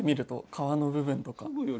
皮の部分とか。